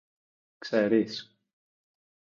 Ξέρεις;